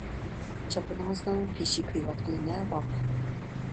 چاپىنىڭىزنىڭ پېشى كۆيۈۋاتقىلى نەۋاخ.